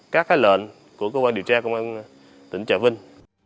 các lệnh của công an điều tra công an tỉnh trà vinh